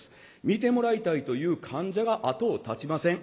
診てもらいたいという患者が後を絶ちません。